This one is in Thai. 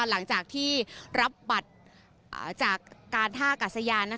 หลังจากที่รับบัตรจากการท่ากาศยาน